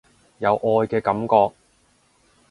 有愛嘅感覺